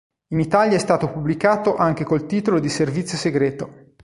In Italia è stato pubblicato anche col titolo di Servizio segreto.